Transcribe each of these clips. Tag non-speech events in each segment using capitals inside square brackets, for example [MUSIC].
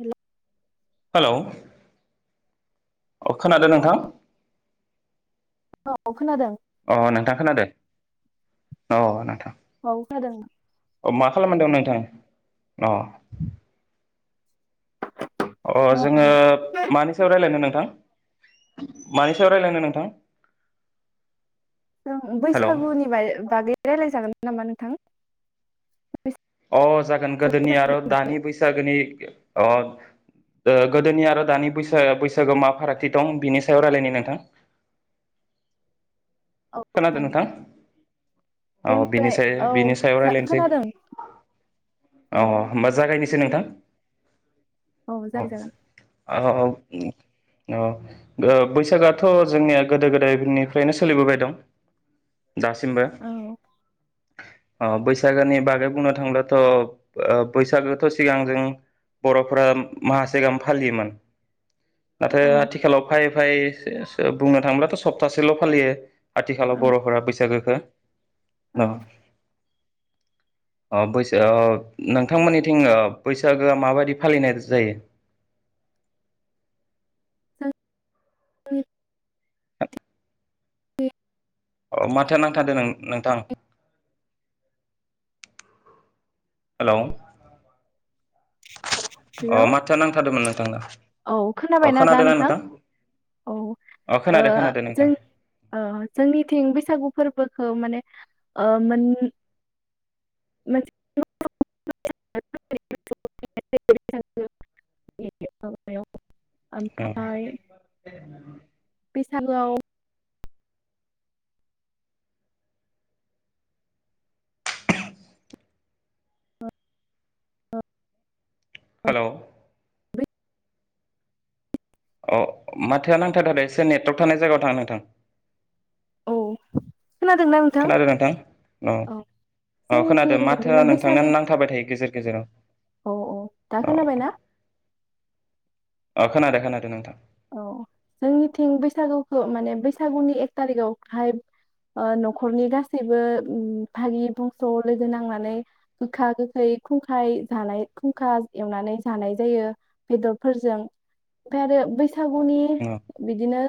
हेल' hello अ खोनादों औ नोंथां। औ खोनादों। अ नोंथां खोनादो औ नोंथां। औ खोनादों। अ मा खालामबाय दं नोंथां अ। अ दं जोङो ओरैनो। मानि सायाव रायलायनो नों नोंथां मानि सायाव रायलायनो नोंथां? जों हेलौ बैसागुनि बा बागै। रायलाय जागोन नामा नोंथां? अ जागोन गोदोनि आरो दानि बैसागोनि अ। ओ गोदोनि आरो दानि बैसा बैसागो मा फारागथि दं बिनि सायाव रायलायनि नोंथां। औ जागोन खोनादों नोंथां दे औ बिनि होमबालाय सा औ सायाव रायलायनोसै खोनादों औ होमबा जागायनो। सै नोंथां। औ जागाय जागोन। ओ ओ बैसागोआथ' जोंनिया गोदो गोदायनिफ्रायनो सोलिबोबाय दं। दासिमबो। औ अ बैसागोनि बागै बुंनो थांब्लाथ' बैसागोथ' सिगां जों बर'फोरा माहासेगाम फालियोमोन। नाथाय औ आथिखालाव फाइ ओमफ्राय सो सो बुंनो थाङोब्लाथ' सप्तासेल' फालियो। आथिखालाव औ बर'फोरा बैसागोखो। [INAUDIBLE] न औ अ बैसा ओ नोंथांमोननिथिं ओ बैसागोआ माबायदि फालिनाय जायो? [INAUDIBLE] [INAUDIBLE] अ माथोया नांथादों नोंथां हेल' हेलौ अ माथोया नांथादोंमोन नोंथांना औ अ खोनाबायना दा खोनादोंना नोंथां औ अ ओ खोनादों खोनादों नोंथां जों जोंनिथिं बैसागु फोरबो खौ ओ माने ओ मोन [INAUDIBLE] ओमफ्राय बैसागोआव हेल' अ माथोया नांथादों एसे नेटवर्क थानाय जायगायाव थां नोंथां। औ खोनादों नोंथां औ औ खोनादों जोंनिथिं माथो बिदिनो नोंथांना बैसागो नांथाबाय थायो गेजेर गेजेर औ औ दा औ खोनाबायना अ खोनादों खोनादों नोंथां औ जोंनिथिं बैसागुखौ माने बैसागुनि एक थारिखआवहाय ओ न'खरनि गासैबो भागि बंस' लोगो नांनानै गोखा गोखै खुंखाय जानाय खुंखा एवनानै जानाय जायो बेदरफोरजों ओमफ्राय आरो बैसा सागुनि औ बिदिनो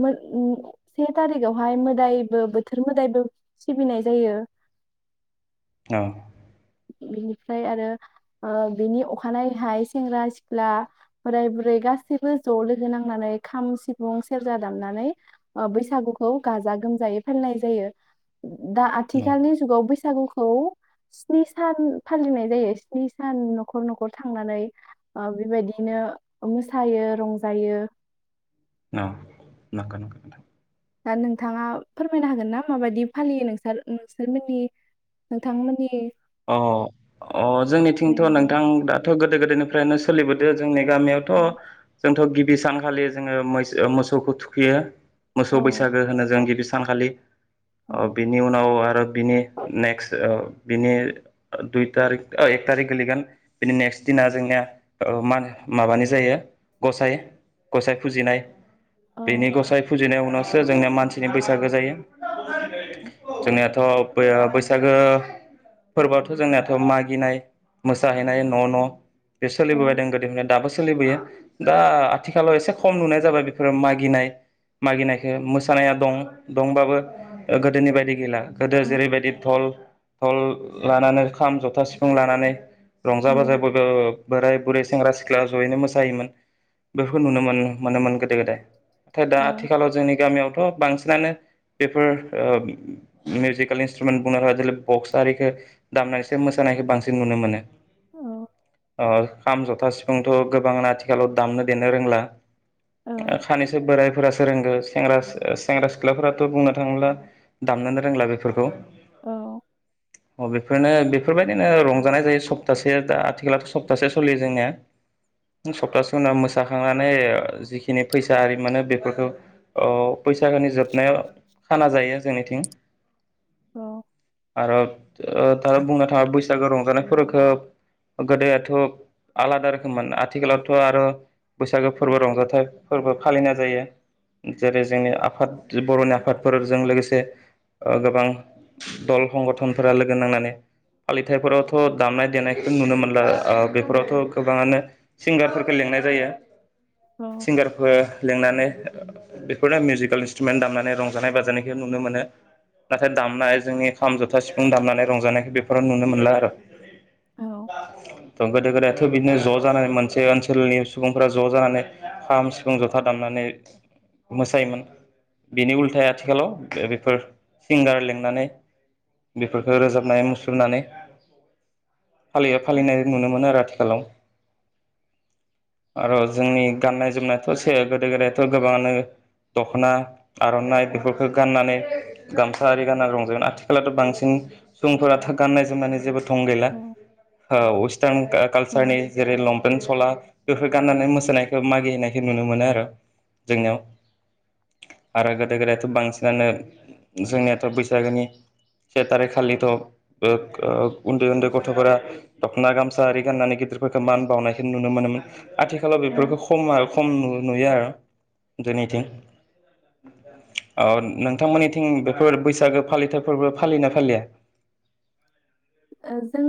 मोन ओ से थारिखावहाय मोदायबो बोथोर मोदायबो सिबिनाय जायो। औ बिनिफ्राय आरो ओ बिनि अखानायैहाय सेंग्रा सिख्ला बोराय बुरै गासैबो ज' लोगो नांनानै खाम सिफुं सेरजा दामनानै ओ बैसागुखौ गाजा गोमजायै फालिनाय जायो दा आथिखालनि जुगाव बैसागुखौ स्नि सान फालिनाय जायो स्नि सान न'खर न'खर थांनानै बेबायदिनो मोसायो रंजायो। औ नोंगौ नोंगौ नोंथां दा नोंथाङा फोरमायनो हागोन ना माबायदि फालियो नोंसोर नोंसोरमोननि नोंथांमोननि अ अ जोंनिथिंथ' जायगायावहाय नोंथां दाथ' गोदो गोदोय निफ्रायनो सोलिबोदों जोंनि गामियावथ' जोंथ' गिबि सानखालि जोङो मोस-मोसौखौ थुखैयो। मोसौ औ बैसागो होनो जों गिबि सानखालि औ बिनि ओ उनाव आरो बिनि ओ नेक्स्ट ओ बिनि ओ दुइ थारिख ओ एक थारिख गोलैगोन बिनि नेक्स्ट दिना जोंनिया ओ माबानाय जायो गसाइ गसाइ फुजिनाय बेनि गसाइ फुजिनाय उनाव सो जोंनिया मानसिनि बैसागो जायो। जोंनिया थ' बैसागो फोरबोआथ' जोंनियाथ' मागिनाय मोसाहैनाय न' न' बे औ सोलिबोदों गोदोनिफ्राय दाबो सलिबोयो। दा आथिखालाव एसे खम नुनाय जाबाय बेफोरो मागिनाय मागिनायखौ मोसानाया दं दंबाबो गोदोनि बायदि गैला। गोदो औ जेरैबायदि धल [UNINTELLIGIBLE] लानानै खाम, जथा, सिफुं लानानै रंजा बाजा औ बयबो बोराइ बुरै सेंग्रा सिख्ला ज'यैनो मोसायोमोन। बेफोरखौ नुनो मोनोमोन गोदो गोदाय। नाथाय दा औ आथिखालाव जोंनि गामियावथ' बांसिनानो बेफोर ओ मिउजिकेलनि [UNINTELLIGIBLE] [INAUDIBLE] बक्स आरिखौ दामनानैसो मोसानायखौ बांसिन नुनो मोनो। औ। अ खाम, जथा, सिफुंथ' गोबाङानो आथिखालाव दामनो देनो रोंला। औ खानैसो बोरायफोरासो रोंगो सेंग्रा ओ सेंग्रा सिख्लाफोराथ' बुंनो थाङोब्ला दामनोनो रोंला बेफोरखौ। औ। अ बेफोरनो बेफोरबायदिनो रंजानाय जायो सप्तासे दा आथिखालथ' सप्तासे सोलियो जोंनिया। सप्तासे उनाव मोसाखांनानै जिखिनि फैसा आरि मोनो बेफोरखौ औ बैसागुनि जोबनायाव खाना जायो जोंनिथिं। औ। आर' ओ थार बुंनो थाङोबा बैसागो रंजानाय फोरखो गोदोथ' आलादा रोखोममोन आथिखालावथ' आर' बैसागु फोरबो रंजाथाय फोरबो फालिनाय जायो जेरै जोंनि आफाद बर'नि आफादफोरजों लोगोसे ओ गोबां दल हंगथन। फोरा लोगो नांनानै फालिथाय फोरावथ' दामनाय देनायखो नुनो मोनला बेफोरावथ' गोबाङानो सिंगारफोरखो लिंनाय जायो। औ सिंगारफोर लिंनानै बेफोरनो मिउजिकेल इन्सट्रुमेन दामनानै रंजानाय बाजानायखौ नुनो मोनो। नाथाय दामनाय जोंनि खाम जथ सिफुं दामनानै रंजानायखौ बेफोराव नुनो मोनला आर'। औ गोदो गोदायाथ' बिदिनो ज' जानानै मोनसे ओनसोलनि सुबुंफ्रा ज' जानानै खाम, सिफुं, जथा दामनानै मोसायोमोन। बिनि उल्थाया आथिखालाव बेफोर सिंगार लिंनानै बेफोरखौ रोजाबनाय मुसुरनानै फालियो फालिनाय नुनो मोनो आरो आथिखालाव। [INAUDIBLE] आर' जोंनि गाननाय जोमनायाथ' से गोदो गोदायथ' गोबाङानो दख'ना आर'नाइ बेफोरखो गाननानै गामसा आरि गानना रंजायो आथि खालाथ' बांसिन सुबुंफोरा थ' गाननाय जोमनानै जोबोद थं गैला ओ वेस्टार्न का औ कालसारनि जेरै लंपेेन सला बेफोर गाननानै मोसानायखौ मागिहैनायखौ नुनो मोनो आर' जोंनियाव। आरो गोदो गोदायथ' बांसिनानो जोंनियाथ' बैसागोनि से तारिख खालिथ' ओ उन्दै उन्दै गथ'फोरा दख'ना गामसा आरि गाननानै गिदिरफोरखौ मान बावनायखौ नुनो मोनोमोन। आथिखालाव ओ, बेफोरखौ खमा खम नु नुयो आर' जोंनिथिं [INAUDIBLE] ओ नोंथांमोननिथिं बेफोर बैसागो फालिथाय फोरबो फालियोना फालिया? ओ जों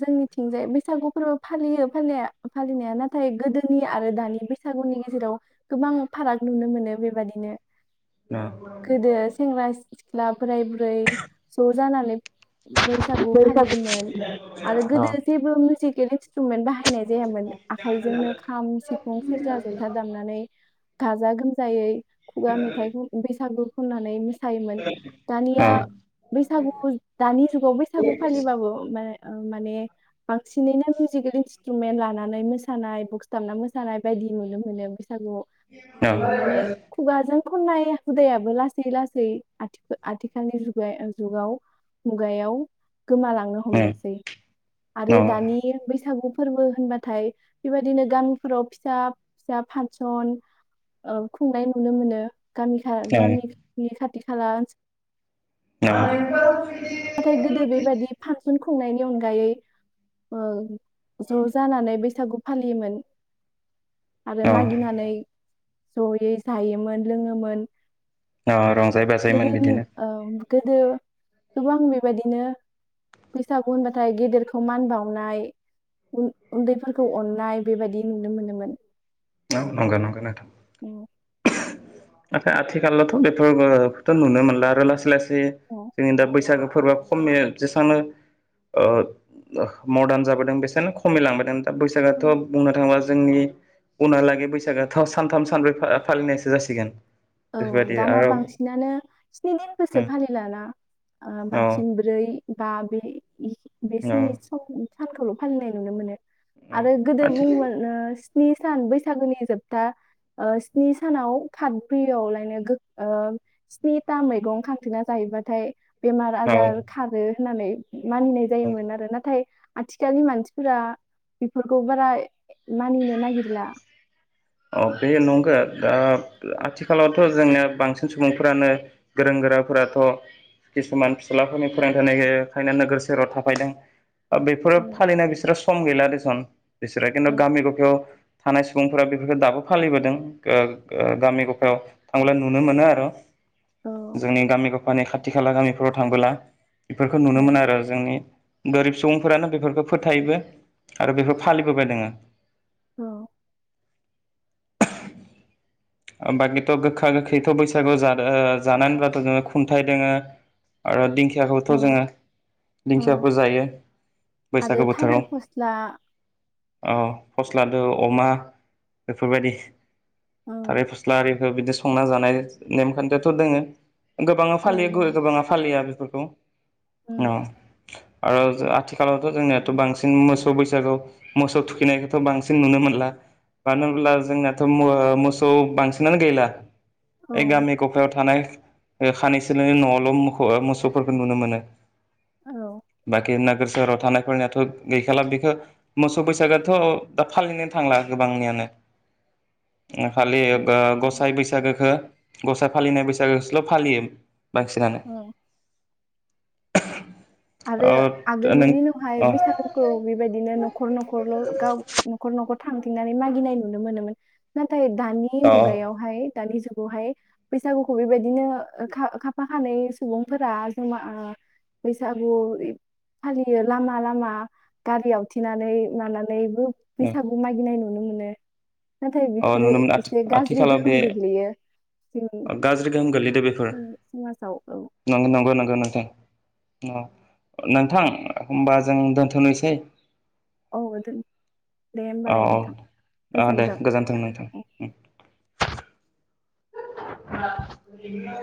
जोंनिथिंजाय बैसागु फोरबो फालियो फालिनाया फालिनाया नाथाय गोदोनि आरो दानि बैसागुनि गेजेराव गोबां फाराग नुनो मोनो बेबादिनो। अ गोदो सेंग्रा सिख्ला बोराय बुरै ज' जानानै बैसागु फालियोमोन आरो गोदो जेबो मिउजिक [UNINTELLIGIBLE] [UNINTELLIGIBLE] बाहायनाय जायामोन आखाइजोंनो खाम, सिफुं सेरजा, जथा दामनानै गाजा गोमजायै खुगा मेथाइखौ बैसागु खननानै मोस थायोमोन दानिया बैसागु दानि जुगाव बैसागु फालिबाबो माने ओ माने बांसिनैनो मिउजिकेलि सिट्रमेन्ट लानानै मोसानाय बक्स दाबना मोसानाय बायदि नुनो मोनो। सागु माने खुगाजों खननाय हुदायाबो लासै लासै आथि आथिखालनि जुगाव मुगायाव गोमालांनो हमदोंसै आरो दानि बैसागु फोरबो होनबाथाय बेबायदिनो गामिफोराव फिसा फिसा फासन ओ खुंनाय नुनो मोनो। गामि खा गामिनि खा दिखालास [UNINTELLIGIBLE] गोदो बेबायदि फांसन खुंनायनि अनगायै ओ ज' जानानै बेस बैसागु फालियोमोन। आरो मागिनानै जयै जायोमोन लोङोमोन। अ' रं गोदोनि ओं गोदो गोबां बेबायदिनो फैसागु होनबाथाय गेदेरखौ मान बावनाय उन उन्दैफोरखौ अननाय बेबायदि नुनो मोनोमोन। औ नंगो नंगो नोंथां। आ-आथिखालावथ' बेफोरथ' नुनो मोनला आरो लासै लासै जायो जोंनि दा बैसागु फोरबा खमनि जेसांनो ओ मरदान जाबोदों बेसेनो खमिलांबोदों। दा बैसागोआथ' उम, बुंनो थांङोबा‌ जोंनि उनहालागै बैसागोआथ' सानथाम सानब्रै फा-फालिनायसो जासिगोन। औ बेफोरबायदि दाना आरो औ बांसिनानो स्नि दिनबोसो फालिलाना ओ औ बांसिन ब्रै बा बे इ बेसिनि सम सानखौल' फालिनाय नुनो मोनो। औ आरो गोदो आथि बुंमोन ओ स्नि सान बैसागोनि जोबथा ओ स्नि सानाव थाद फ्रियावलायनो गो ओ स्निथा मैगं खांथेना जाहैबाथाय बेमार औ आजार खारो होननानै। मानिनाय औ जायोमोन आरो नाथाय। आथिखालनि मानसिफोरा बेफोरखौ बारा मानिनो नागिरला। औ बे नंगौ, ओ आथिखालावथ' जोंङो बांसिन सुबुंफोरानो गोरों-गोरा फोराथ' खिसुमान फिस्लाफोरनि फरायनो थानायखायनो नोगोर सहोराव थाफायदों। बेफोरो औ फालिना बिसोरो सम गैला दे थां। बिसोरा खिनु औ गामि ग'फायाव। थानाय सुबुंफोरा बे बेफोरखौ दाबो फालिबोदों गो गो गामि ग'फायाव थांब्ला नुनो मोनो आरो। औ जोंनि गामिखौ। माने खाथि खाला गामिफोराव थांबोला। बेफोरखौ नुनो मोनो आरो जोंनि। गोरिब सुबुंफोरानो बेफोरखौ फोथायोबो आरो बेफोर फालिबोबाय दोङो। औ। बाखिथ' गोखा गोखैथ' बैसागु जादो ओ जानानैब्लाथ' जोङो खुन्थाइ दोङो आरो दिंखि दिंखियाखौथ' औ जोङो औ दिंखियाखौ जायो आरो बैसागो थालिर बोथोराव। फस्ला औ फस्लादो अमा बेफोरबायदि। औ थारलिर फस्ला आरि। बिदि संना जानाय नेम-खान्थियाथ' दोङो। गोबाङा औ फालियो, दोङो गुबै-गोबाङा फालिया। फोरखौ। उम औ। आरो आथिखालावथ' जोंनियाथ' बांसिन मोसौ बैसागु, मोसौ थुखैनायखौथ' बांसिन नुनो मोनला मानो होनब्ला जोंनाथ' मो-मोसौ। स' बांसिनानो गैयला। औ ओय गामि ग'फायाव थानाय। खानै सोनिल' न' आवल' मोसौफोरखौ नुनो मोनो। औ बाखिना नोागोर सोहोराव थानायफोरनियाथ' गैखाला बेखौ मोसौ बैसागोआथ' दा फालिनो थांला गोबांनियानो ओ। फालियो ओ ग'साइ बैसागोखौ। ग'साई फालिनाय बैसागोसोल' फालियो। बांसिनानो। औ [INAUDIBLE] आरो अ आगोलनि नों दिनावहाय अ बैसागुखौ बेबायदिनो न'खर-न'खरल' गाव न'खर-न'खर। थांथिंनानै मागिनाय नुनो मोनोमोन। नाथाय दानि अ मुगायावहाय। दानि जुगावहाय बैसागुखौ बेबायदिनो खाफा खानै खासुबुंफोरा जा गागु फालियो लामा लामा गारि आवथेनानै लानानै बैसागु मानिनाय नु नुनो मोनो। नाथाय अ बेफोरो नुनो मोन आथि एसे गाज्रि आथिखालाव बे गोहोम गोग्लैयो जोंनि ओ गाज्रि गोहोम गोगलैदो बेफोर समाजाव औ नंगौ नंगौ नंगौ नोंथां। औ नोंथां ओमबा जों दोनथनोसै औ दोन दे औ होमबालाय नोंथां औ दे गोजोनथों। गोजोन्थों नोंथां। [UNINTELLIGIBLE]